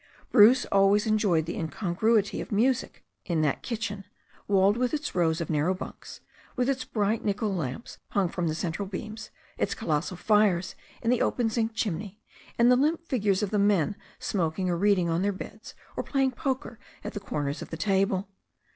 Bruce always enjoyed the incongruity of music in that kit chen, walled with its rows of narrow bunks, with its bright nickel lamps hung from the central beams, its colossal fires in the op6n«zinc chimney, and the limp figures of the men smoking or reading on their beds, or playing poker at the corners of the table.